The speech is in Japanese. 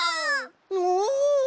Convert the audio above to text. おお！